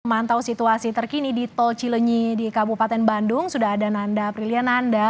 mantau situasi terkini di tol cilenyi di kabupaten bandung sudah ada nanda priliananda